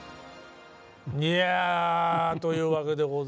いやというわけでございまして。